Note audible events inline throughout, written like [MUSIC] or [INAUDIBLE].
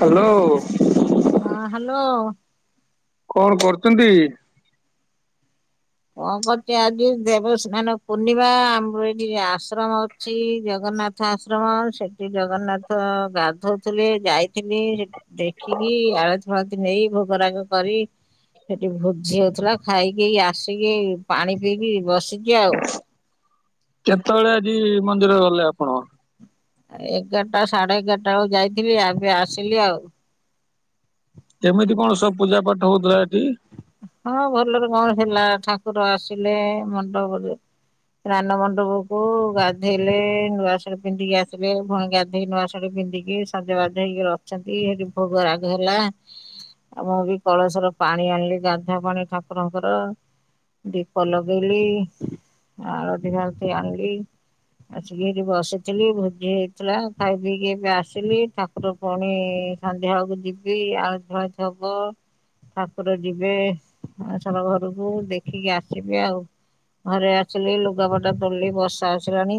Hello ହଁ hello. କଣ କରୁଚନ୍ତି? କଣ କରୁଚି ଆଜି ଦେବସ୍ନାନ ପୂର୍ଣ୍ଣିମା ଆମର ଏଠି ଆଶ୍ରମ ଅଛି ଜଗନ୍ନାଥ ଆଶ୍ରମ ସେଠି ଜଗନ୍ନାଥ ଗାଧଉଥିଲେ ଯାଇଥିଲି ଦେଖିକି ଆଳତି ଫାଳତି ନେଇ ଭୋଗରାଗ କରି ସେଠି ଭୋଜି ହଉଥିଲା ଖାଇକି ଆସିକି ପାଣି ପିଇକି ବସିଛି ଆଉ। କେତବେଳେ ଆଜି ମନ୍ଦିର ଗଲେ ଆପଣ? ଏଗାରଟା ସାଢେ ଏଗାରଟା ବେଳକୁ ଯାଇଥିଲି ଏବେ ଆସିଲି ଆଉ। କେମିତି କଣ ସବୁ ପୂଜା ପାଠ ହଉଥିଲା ଏଠି? ହଁ ଭଲରେ କଣ ହେଲା ଠାକୁର ଆସିଲେ ମଣ୍ଡପ ରାନ୍ ମଣ୍ଡପକୁ ଗାଧେଇଲେ ନୂଆ [UNINTELLIGIBLE] ପିନ୍ଧିକି ଆସିଲେ [UNINTELLIGIBLE] ଗାଧୋଇ ନୂଆ [UNINTELLIGIBLE] ପନ୍ଧିକି ସଜବାଜ ହେଇକି ରଛନ୍ତି ସେଠି ଭୋଗ ରାଗ ହେଲା। ଆ ମୁଁ ବି କଳସର ପାଣି ଆଣିଲି ଗାଧା ପାଣି ଠାକୁରଙ୍କର ଦୀପ ଲଗେଇଲି ଆଳଦୀ ହଳତି ଆଣିଲି। ଆସିକି ଏଇଠି ବସିଥିଲି ଭୋଜି ହେଇଥିଲା ଖାଇ ପିଇକି ଏବେ ଆସିଲି ଠାକୁ ପୁଣି ସନ୍ଧ୍ୟା ବେଳେକୁ ଯିବି ଆଳତି ଫାଳତି ହବ। ଠାକୁର ଯିବେ ଅନଶନ ଘରକୁ ଦେଖିକି ଆସିବେ ଆଉ। ଘରେ ଆସିଲି ଲୁଗାପଟା ତୋଳିଲି ବର୍ଷା ଆସିଲାଣି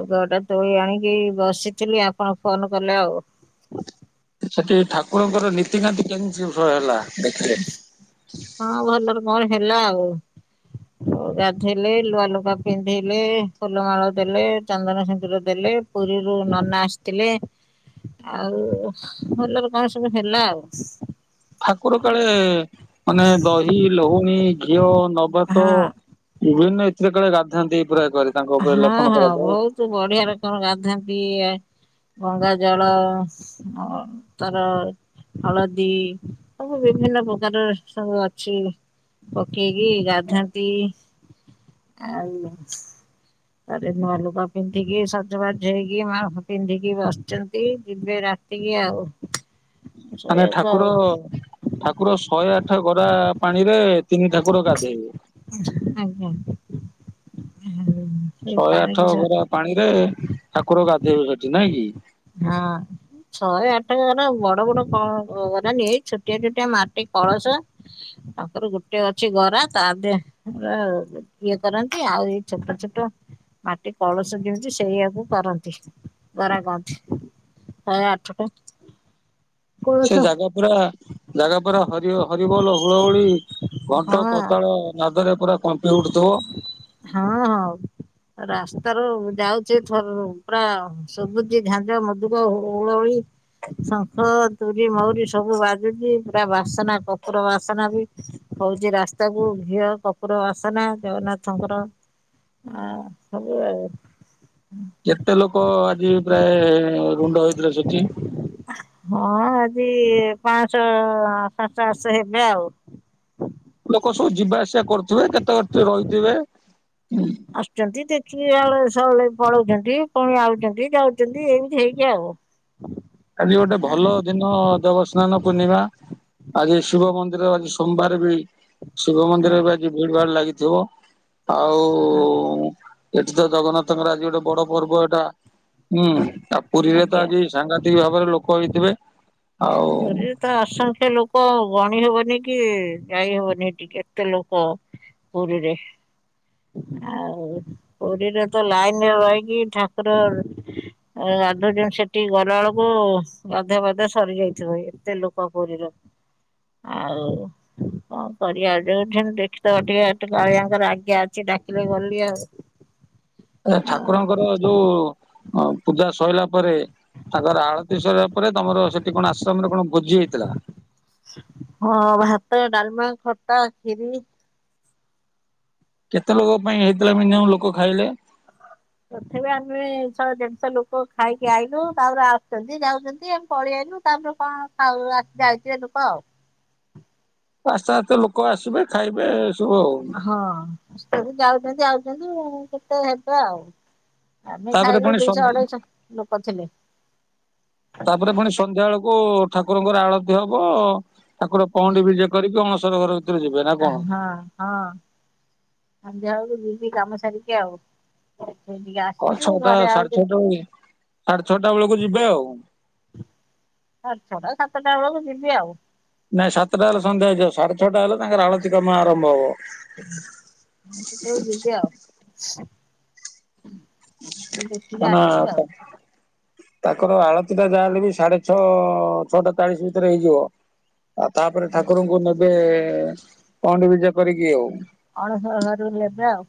ଲଗା ପଟା ତୋଳି ଆଣିକି ବସିଥିଲି ଆପଣ ଫୋନ୍ କଲେ ଆଉ। ସେଠି ଠାକୁରଙ୍କର ନୀତିକାନ୍ତି କେମିତି [UNINTELLIGIBLE] ହେଲା ଦେଖିଲେ। ହଁ ଭଲରେ କଣ ହେଲା ଆଉ। ଗାଧେଇଲେ ନୂଆ ଲୁଗା ପିନ୍ଧିଇଲେ ଫୁଲମାଳ ଦେଲେ ଚନ୍ଦନ ସିନ୍ଦୁର ଦେଲେ। ପୁରୀରୁ ନନା ଆସିଥିଲେ। ଆଉ ଭଲରେ କଣ ସବୁ ହେଲା ଆଉ। ଠାକୁର କାଳେ ମାନେ ଦହି, ଲହୁଣୀ, ଘିଅ, ନବାତ ହଁ ବିଭିନ୍ନ ଏଥିରେ କାଳେ ଗାଧାନ୍ତି ପୁରା କରି ତାଙ୍କ ଉପରେ ଲେପନ କରାଯାଏ। ତୁ ବଢିଆରେ କଣ ଗାଧାନ୍ତି ଗଙ୍ଗା ଜଳ ଅତର ହଳଦୀ ସବୁ ବିଭିନ୍ନ ପ୍ରକାର ସବୁ ଅଛି। ପକେଇକି ଗାଧାନ୍ତି ଆଉ ତା ନୂଆ ଲୁଗା ପିନ୍ଧିକି ସଜବାଜ ହେଇକି ମା ପିନ୍ଧିକି ବସିଛନ୍ତି ଯିବେ ରା [UNINTELLIGIBLE] ଆଉ। ମାନେ ଶୋଇବାକୁ ଆଉ ଠାକୁର-ଠାକୁର ଶହେ ଆଠ ଗରା ପାଣି ରେ ଆଜ୍ଞା [UNINTELLIGIBLE] ଶହେ ଆଠ ପାଣିକି ସ ଗରା ପାଣିରେ ଠାକୁର ଗାଧୋଇବେ ସେଠି ନାଇଁ କି? ହଁ। ଶହେ ଆଠ ମାନେ ବଡ ବଡ କ ଅଧା ନିଏ ଛୋଟିଆ ଛୋଟିଆ ମାଟି କଳସ। ତାପରେ ଗୋଟେ ଅଛି ଗରା ତା ଦେହେ ରେ ଇଏ କରନ୍ତି ଆହୁରି ଛୋଟ ଛୋଟ। ମାଟି କଳସ କେମିତି ସେଇଆକୁ କରନ୍ତି ଗରା କହନ୍ତି। ଶହେ ଆଠ ଟା। ସେ ଜାଗା ପୁରା ଜାଗା ପୁରା ହରି ହରିବୋଲ ହୁଳହୁଳି ହଁ ଘଣ୍ଟ କରତାଳ। ନଦରେ ପୁରା କମ୍ପି ଉଠୁଥିବ। ହଁ ହଉ। ରାସ୍ତା ରୁ ଯାଉଛି, ଏଠରୁ ପୁରା ସୁବୁଛି, ଝାଞ୍ଜ, ମୁର୍ଦୁକ, ହୁଳହୁଳି। ଶଙ୍ଖ, ତୁରି, ମଉରୀ ସବୁ ବାଜୁଛି ପୁରା ବାସେନା କର୍ପୁର ବାସେନା ବି। ହଉଛି ରାସ୍ତା କୁ ଘିଅ କପ କର୍ପୁର ବାସେନା ଜଗନ୍ନାଥଙ୍କର। ଆ ସବୁ ଆଉ। କେତେ ଲୋକ ଆଜି ପ୍ରାୟ ରୁଣ୍ଡ ହେଇଥିଲେ, ସେଠି? ହଁ, ଆଜି ପାଞ୍ଚ ପଚାଶେ ହେବେ, ଆଉ। ଲୋକ ସବୁ ଯିବା ଆସିବା କରୁଥିବେ, କେତେକ କିଏ ରହିଥିବେ। ଆସୁଛନ୍ତି, ଦେଖିକି ଆଳୁ ସଉଳେଇ ପଳଉଛନ୍ତି, ପୁଣି ଆଉଛନ୍ତି, ଯାଉଛନ୍ତି, ଏମିତି ହେଇକି ଆଉ। ଆଜି ଗୋଟେ ଭଲ ଦିନ ଦେବସ୍ନାନ ପୂର୍ଣ୍ଣିମା। ଆଜି ଶିବ ମନ୍ଦିର, ଆଜି ସୋମବାର ବି। ଶିବ ମନ୍ଦିର ବି, ଆଜି ଭିଡ ଭାଡ ଲାଗିଥିବ। ଆଉ। ଏଠି ତ ଜଗନ୍ନାଥଙ୍କର ଆଜି ଗୋଟେ ବଡ଼ ପର୍ବ ଏଟା। ହୁଁ, ଆଉ ପୁରୀରେ ତ ଆଜ୍ଞା। ଆଜି ସାଙ୍ଘା ତିକ୍ ଭାବରେ ଲୋକ ହେଇଥିବେ। ଆଉ ପୁରି। ତ ଅସଂଖ୍ୟ ଲୋକ, ଗଣି ହବନି କି, ଯାଇ ହବନି ହେଟିକି, ଏତେ ଲୋକ। ପୁରୀରେ ଆଉ। ପୁରୀରେ ତ ଲାଇନରେ ରହିକି, ଠାକୁର। ଅ ଗାଧୁଉଛନ୍ତି ସେଠିକି ଗଲାବେଳକୁ ଗାଧୁଆ ପାଧୁଆ ସ ସରି ଯାଇଥିବଏତେଲୋକ ପୁରୀର, ଆଉ। କଁ କରିବା, ଯୋଉଠିନ ଦେଖିଦବ ଟିକେ କାଳିଆଙ୍କର ଆଜ୍ଞା ଅଛି, ଡାକିଲେ ଗଲି ଆଉ। ଏ ଆଉ ଠାକୁରଙ୍କର ଯୋଉ ପୂଜା ଅଁ ସଇଲା ପରେ। ତାଙ୍କର ଆଳତୀ ସରିବା ପରେ, ତମର ସେଠି କଣ ଆଶ୍ରମରେ କଣ ଭୋଜି ହେଇଥିଲା। ହଁ, ଭାତ, ଡାଲମା, ଖଟା, ଖିରି। କେତେ ଲୋକଙ୍କ ପାଇଁ ହେଇଥିଲା ମିନିମମ୍ ଲୋକ ଖାଇଲେ। ତଥାପି ଆମେ ଶହେ, ଦେଢ଼ ଶହ ଲୋକ ଖାଇକି ଆଇଲୁ। ତାପରେ ଆସୁଛନ୍ତି, ଯାଉଛନ୍ତି, ଆମେ ପଳେଇ ଆଇଲୁ। ତା ପରେ କଣ ଖାଉ ଆସ ଯାଉ ଥିବେ ଲୋକ, ଆଉ। ହଁ ଆସ୍ତେ, ଆସ୍ତେ ଲୋକ ଆସିବେ, ଖାଇବେ, ଏ ସବୁ ଆଉ। ହଁ ଆସୁଛନ୍ତି ଯାଉଛନ୍ତି‌ ଆଉଛନ୍ତି କେତେ ହେବେ ଆଉ। ଆମେ ତାପରେ ଖାଇଲୁ ପୁଣି ଦୁଇଶହ, ସନ୍ଧ୍ୟା ଅଢେଇଶହ ଲୋକ ଥିଲେ। ତାପରେ ପୁଣି ସନ୍ଧ୍ୟା ବେଳକୁ ଠାକୁରଙ୍କର ଆଳତି ହବ। ଠାକୁର ପହଣ୍ଡି ବିଜେ କରିକି, ଅଣସର ଘରକୁ। ଆଁ ହଁ, ହଁ‌ ସନ୍ଧ୍ୟାବେଳକୁ ଯିବି କାମ ସାରିକି ଆଉ। ଟିକେ ହଁ ଆସିବି ଛଅଟା, ଘରେ ଆଉ ସାଢେ ଛଅଟା ବେଳେ ସାଢେ ଛଅଟା ବେଳକୁ ଯିବେ, ଆଉ। ସାଢ଼େ ଛଅଟା, ସାତଟା ବେଳକୁ ଯିବି ଆଉ। ନାଇଁ, ସାତଟା ହେଲେ ସନ୍ଧ୍ୟା ହେଇଯିବ। ସାଢେ ଛଅଟା ହେଲେ ତାଙ୍କର ଆଳତି କାମ ଆରମ୍ଭ ହବ। ହୁଁ ହୁଁ ସେତେ ବେଳକୁ ଯିବି ଆଉ। [UNINTELLIGIBLE] ଦେଖିକି ଆସିବି ଆଉ। ତାଙ୍କର ଆଳତି ଟା ଯାହାହଲେ ବି ସାଢେ ଛଅ ଛଅଟା ଚାଳିଶ ଭିତରେ ହେଇଯିବ। ଆଉ ତାପରେ ଠାକୁରଙ୍କୁ ନେବେ, ପହଣ୍ଡି ବିଜେ କରିକି ଆଉ। ଅଣସର ଘରୁ ନେବେ ଆଉ।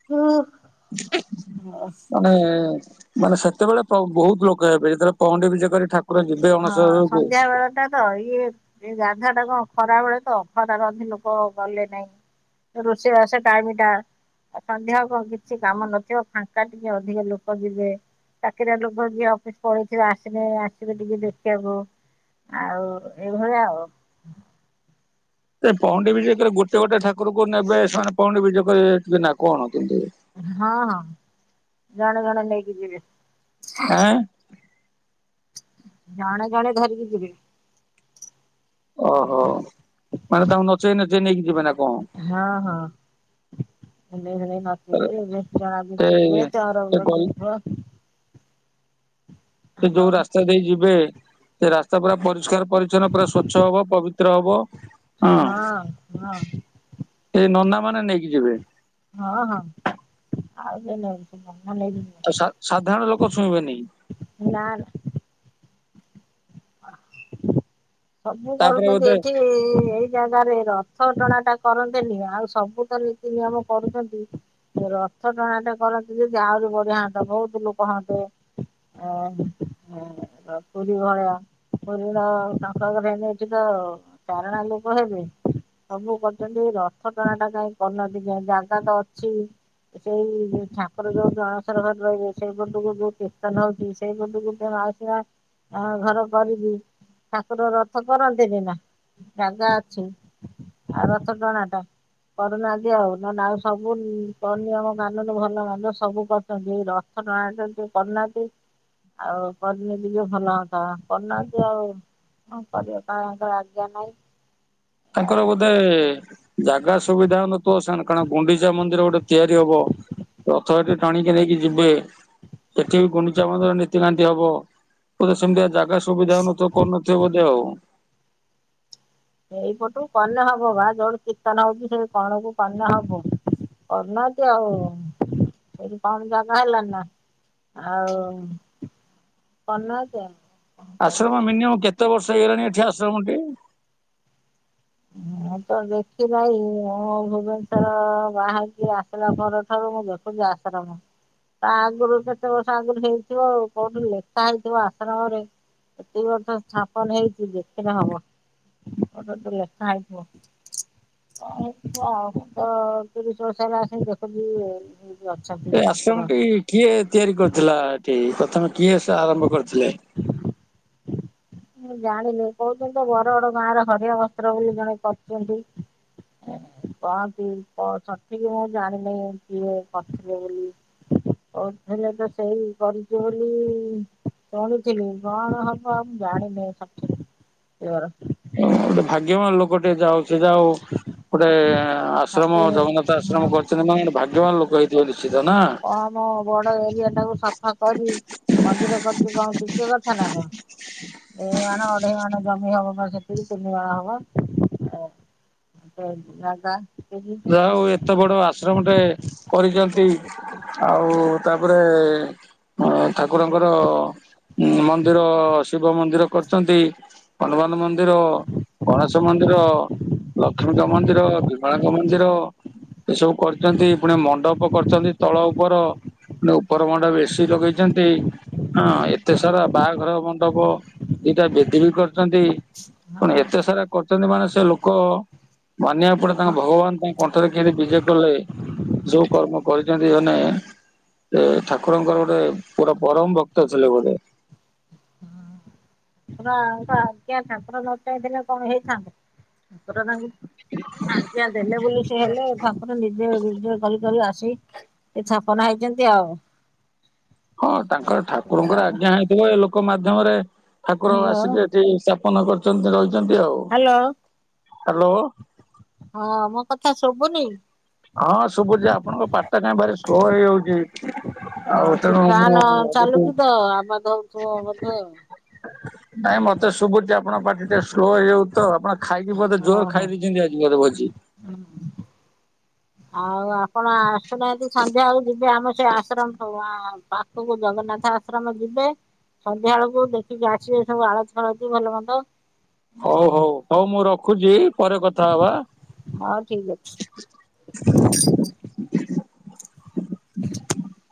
ହୁଁ। [UNINTELLIGIBLE] ନାଇଁ-ଇ-ଇ, ମାନେ ସେତେବେଳେ ପ୍ର ବହୁତ ଲୋକ ହେବେ ଯେତେବେଳେ ପହଣ୍ଡି ବିଜେ କରି ଠାକୁର ଠାକୁର ଯିବେ ଅଣସର ହଁ ଘରକୁ। ସନ୍ଧ୍ୟା ବେଳ ଟା ତ ଇଏ, ଏଇ ଗାଧା ଟା କଣ ଖରାବଳେ ତ, ଖରା ରନ୍ଧି ଲୋକ ଗଲେ ନାଇଁ। ରୋଷେଇ ଵାସ ଟାଇମ୍ ଟା। ଆଉ ସନ୍ଧ୍ୟା କୁ କଣ କିଛି କାମ ନଥିବ, ଫାଙ୍କା ଟିକେ, ଅଧିକ ଲୋକ ଯିବେ। ଚାକିରିଆ ଲୋକ ଯିଏ ଅଫିସ ପଳେଉଥିବ ଆସିଲେ ଆ ଟିକେ ଟିକେ ଦେଖିବାକୁ ଆଉ ଏଇଭଳିଆ ଆଉ। ସେ ପହଣ୍ଡି ବିଜେ କଲେ ଗୋଟେ ଗୋଟେ ଠାରକୁ ନେବେ ସେମାନେ ପହଣ୍ଡି ବିଜ କରିବେ ନା କଣ କେମିତି। ହଁ ହଁ ଜଣେ ଜଣେ ନେଇକି ଯିବେ। ଆଁ। ଜଣେ ଜଣେ ଧରିକି ଯିବେ। ଓହୋ ମାନେ ତାଙ୍କୁ ନଚେଇ ନଚେଇ ନେଇକି ଯିବେ ନା କଣ? ହଁ ହଁ ହେଲେ ହେଲେ। ସେ ସେ ଗଲ [UNINTELLIGIBLE] ସେ ଯେଉ ରା। ରାସ୍ତା ଦେଇ ଯିବେ ସେ ରାସ୍ତା ପୁରା ପରିଷ୍କାର ପରିଚ୍ଛନ୍ନ ପୁରା ସ୍ଵଚ୍ଛ ହବ ପବିତ୍ର ହବ। ହଁ ହଁ। ଏଇ ନନା ମାନେ ନେଇକି ଯିବେ। ହଁ ହଁ ଆଉ କିଏ ନେଇକି ନନା ନେଇିକି ଯିବେ। ତ ସା ସାଧାରଣ ଲୋକ ଛଇଁବେନି। ନା ନା। ସବୁ ତାପରେ କରୁଛନ୍ତି ବୋଧେ ଏଠି ଏଇ। ଜାଗାରେ ରଥ ଟଣା ଟା କରନ୍ତେନି ଆଉ ସବୁ ତ ନୀତି ନିୟମ କରୁଛନ୍ତି। ରଥ ଟଣାା ଟେ କରନ୍ତେ ଯିଦି ଆହୁରି ବଢିଆ ହୁଅନ୍ତା ବହୁତ ଲୋକ ହୁଅନ୍ତେ। ଓ ପୁରୀ ଭଳିଆ। [UNINTELLIGIBLE] ତ ଚାରଣା ଲୋକ ହେବେ ସବୁ କରିଛନ୍ତି ରଥ ଟଣା ଟା କାହିଁ କରୁନାହାନ୍ତି କେଜାଣି ଜାଗା ତ ଅଛି। ସେଇ ଠାକୁର ଯୋଉ ଜଳସରବର ରହିବେ ସେଇ ପଟୁକୁ ଯୋଉ କୀର୍ତ୍ତନ ହଉଛି ସେଇ ପଟକୁଉ ମାଉସି। ମା ଘର। କରିବି ଠାକୁର ରଥ କରନ୍ତେନି ନା ଜାଗା ଅଛି। ଆଉ ରଥ ଟଣା ଟା କରୁନାହାନ୍ତି ଆଉ ନହେଲେ ଆଉ ସବୁ ନିୟମ କାନୁନ ଭଲ ମନ୍ଦ ସବୁ କରୁଛନ୍ତି ଏଇ ରଥ। ରଥ ଟଣା ଟା ଟିକେ କରୁନାହାନ୍ତି ଆଉ କରିଲେ ଟିକେ ଭଲ ହୁଅନ୍ତା। କରନାହାନ୍ତି ଆଉ କଣ କରିବା ତାଙ୍କର ଆଜ୍ଞା ନାହିଁ। ତାଙ୍କର ବୋଧେ। ଜାଗା ସୁବିଧା ହେଉ ନଥିବ ସେମାନେ କାରଣ ଗୁଣ୍ଡିଚା ମନ୍ଦିର ଗୋଟେ ତିଆରି ହବ। ରଥ ଏଠି ଟାଣିକି ନେଇକି ଯିବେ। ଏଠି ବି ଗୁଣ୍ଡିଚା ମନ୍ଦିର ନୀତିକାନ୍ତି ହବ ବୋଧେ ସେମିତିଆ ଜାଗ। ଜାଗା ସୁବିଧା ହଉ ନଥିବ କରୁନଥିବେ ବୋଧେ ଆଉ। ଏଇପଟୁ କନେ ହବ ବା ଯୋଉଠୁ କୀର୍ତ୍ତନ ହଉଛି ସେ କଣକୁ କନେ ହବ। କରୁନାହାନ୍ତି ଆଉ ସେଇଠି କଣ ଜାଗା ହେଲାଣି ନା। ଆଉ କଣ ନେଉଛ? ଆଶ୍ରମ ମିନିମମ୍ କେତେ ବର୍ଷ ହେଇଗଲାଣି ଏଠି ଆଶ୍ରମଟିେ? [UNINTELLIGIBLE] ମୁଁ ତ ଦେଖି ନାଇ ମୁଁ ଭୁବନେଶ୍ଵର ବାହାରିକି ଆସିଲା ପରଠାରୁ ମୁଁ ଦେଖି [UNINTELLIGIBLE] ତା ଆଗରୁ କେତେ ବର୍ଷ ଆଗରୁ ହେଇଥିବ ଆଉ କୋଉଠି ଲେଖା ହେଇଥିବ ଆଶ୍ରମରେ। ଏତିକି ବାଟ ସ୍ଥାପନ ହେଇଛି ଦେଖିଲେ ହବ [UNINTELLIGIBLE] [UNINTELLIGIBLE] ହ କ ମୁ ତ ତିରିଶଳିସ ହେଲା ସେମିତି ଦେଖଛିି ଏ ଆଶ୍ରମଟି କିଏ ତିଆରି କରିୁଥିଲା ଏଠି ପ୍ରଥମେ କିଏ ସେ ଆରମ୍ଭ କରିୁଥିଲେ? ମୁ ଜାଣିନି କହୁଛନ୍ତି ତ ବରଗଡ ଗାଁ ର ହଡିଆ ବସ୍ତ୍ର ବୋଲି ଜଣେ କରୁଛନ୍ତି। [UNINTELLIGIBLE] କହନ୍ତି ସଠିକ ମୁଁ ଜାଣିନି କିଏ କରିଥିବେ ବୋଲି। କହୁଥିଲେ ତ ସେଇ କରିଛି ବୋଲି। ଶଣିୁଥିଲି କଣ ହବ ଆ ମୁଁ ଜାଣିନି ସଠିକ ଉତର। ଗୋଟେ ଭାଗ୍ୟବାନ ଲୋକ ଟେ ଯାଉ ସେ ଯାଉ ଗୋଟେ ଆ ଆଶ୍ରମ ଜଗନ୍ନାଥ ଆଶ୍ରମ ହଁ କରିଛନ୍ତି ମାନେ ଗୋଟେ ଭାଗ୍ୟବାନ ଲୋକ ହେଇଥିବ ନିଶ୍ଚିତ ନା? ଆମ ବଡ ଏରିଆଟାକୁ ସଫା କରି ମନ୍ଦିର କରଛି, କଣ ଟିକେ କଥା ନା କଣ? ଦି ମାଣ ଅଢେଇ ମାଣ ଜମି ହବ ମ ସେଥିରୁ ତିନି ମାଣ ହବ। [UNINTELLIGIBLE] ଆଉ ଏତେ ବଡ ଆଶ୍ରମଟେ କରିଛନ୍ତି। ଆଉ, ତାପରେ ଅ, ଠାକୁରଙ୍କର ମନ୍ଦିର, ଶିବ ମନ୍ଦିର କରିଛନ୍ତି। ହନୁମାନ ମନ୍ଦିର, ଗଣେଶ ମନ୍ଦିର, ଲକ୍ଷ୍ମୀଙ୍କ ମନ୍ଦିର, ବିମଳା ମନ୍ଦିର, ଏ ସବୁ କରିଛନ୍ତି ପୁଣି ମଣ୍ଡପ କରିଛନ୍ତି ତଳ ଉପର। ନା ଉପର ମୁଣ୍ଡ ବେଶୀ ଲଗେଇଛନ୍ତି। ହଁ ଏତେ ସାରା ବାହାଘର ମଣ୍ଡପ, ଦିଟା ବେଦି ବି କରିଛନ୍ତି। ପୁଣି ଏତେ ସାରା କରିଛନ୍ତି ମାନେ, ସେ ଲୋକ ମାନିବାକୁ ପଡି ତାଙ୍କ ଭଗବାନ ତାଙ୍କ କଣ୍ଠରେ କେମିତି ବିଜେ କଲେ, ଯୋଉ କର୍ମ କରିଛନ୍ତି ମାନେ ଏ ଠାକୁରଙ୍କର ଗୋଟେ, ପୁରା ପରମ ଭକ୍ତ ଥିଲେ, ଗୋଟେ। ଠାକୁରଙ୍କ ଆଜ୍ଞା, ଠାକୁର ନଚାହିଁଥିଲେ କଣ ହେଇଥାନ୍ତା? ଠାକୁର ତାଙ୍କୁ ଆଜ୍ଞା ଦେଲେ ବୋଲି ସେ ହେଲେ, ଠାକୁର ନିଜେ ନିଜେ କରି କରି ଆସି ଏ ଛାପନା ହେଇଛନ୍ତି ଆଉ। ହଁ, ତାଙ୍କର ଠାକୁରଙ୍କର ଆଜ୍ଞା ହେଇଥିବେ, ଲୋକ ମାଧ୍ୟମରେ ଠାକୁର ହ୍ୟାଲୋ ଆସିକି ଏଠି ସା ସ୍ଥାପନ କରିଛନ୍ତି, ରହିଛନ୍ତି ଆଉ ହ୍ୟାଲୋ ହ୍ୟାଲୋ। ହଁ, ମୋ କଥା ଶୁଭୁନି? ହଁ, ଶୁଭୁଚି ଆପଣଙ୍କ ପାଟିଟା କାଇଁ ଭାରି ସ୍ଲୋ ହେଇଯାଉଛି। ହଁ ଆଉ ସେ ତେଣୁ ଫ୍ୟାନ ମୁଁ ଆଜି କହୁଛି। [UNINTELLIGIBLE] [UNINTELLIGIBLE] ନାଇଁ ମତେ ଶୁଭୁଛି ଆପଣଙ୍କ ପାଟି ଟିକେ ସ୍ଲୋ ହେଇଯାଉଚି ତ ଆପଣ ଖାଇକି ବୋଧେ ଜୋର ଖାଇ ଦେଇଛନ୍ତି ଆଜି ବୋଧେ ଭୋଜି। [UNINTELLIGIBLE] ପଣ ଆସୁନାହାନ୍ତି ସନ୍ଧ୍ୟାଳକୁ ଯିବେ ଆମ ସେ ଆଶ୍ରମ ଆ ପାଖକୁ ଜଗନ୍ନାଥ ଆଶ୍ରମ ଯିବେ। ସନ୍ଧ୍ୟା ବେଳକୁ ଦେଖିକି ଆସିବେ, ସବୁ ଆଳତି-ଫାଳତି, ଭଲ ମନ୍ଦ। ହଉ, ହଉ, ହଉ, ମୁଁ ରଖୁଛି, ପରେ କଥା ହବା। ହଉ, ଠିକ ଅଛି। [INAUDIBLE]